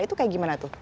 itu kayak gimana tuh